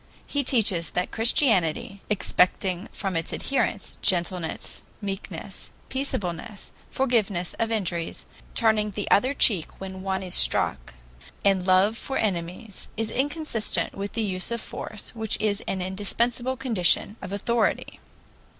He teaches that Christianity, expecting from its adherents gentleness, meekness, peaceableness, forgiveness of injuries, turning the other cheek when one is struck, and love for enemies, is inconsistent with the use of force, which is an indispensable condition of authority.